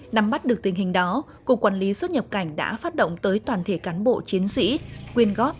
nắm bắt được tình hình đó cục quản lý xuất nhập cảnh đã phát động tới toàn thể cán bộ chiến sĩ quyên góp